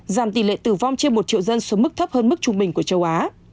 giảm tỷ lệ tử vong trên một triệu dân xuống mức thấp hơn mức trung bình của châu á